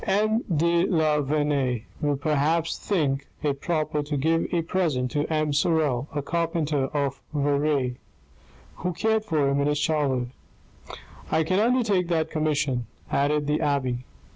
M. de la Vernaye will perhaps think it proper to give a present to M. Sorel, a carpenter of Verrieres, who cared for him in his childhood 'I can undertake that commission," added the abbe.